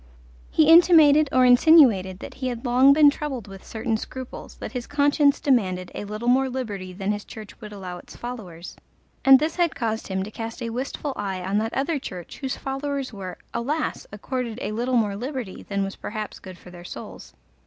He intimated or insinuated that he had long been troubled with certain scruples, that his conscience demanded a little more liberty than his church would allow its followers, and this had caused him to cast a wistful eye on that other church whose followers were, alas! accorded a little more liberty than was perhaps good for their souls.